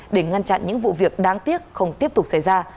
để ngăn chặn những vụ việc đáng tiếc không tiếp tục xảy ra